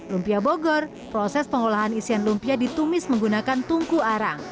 lumpia bogor proses pengolahan isian lumpia ditumis menggunakan tungku arang